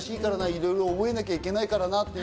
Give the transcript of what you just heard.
いろいろ覚えなきゃいけないからなって。